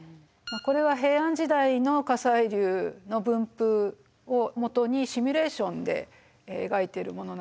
これは平安時代の火砕流の分布をもとにシミュレーションで描いてるものなんですけれども。